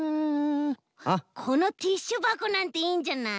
このティッシュばこなんていいんじゃない？